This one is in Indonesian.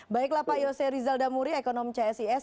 baiklah pak yose rizal damuri ekonom csis